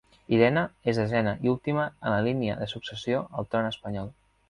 Irene és desena i última en la línia de successió al tron espanyol.